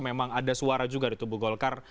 memang ada suara juga di tubuh golkar